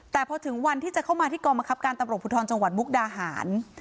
แต่พอถึงวันที่จะเข้ามาที่กองบังคับการตำรวจภูทรจังหวัดมุกดาหาร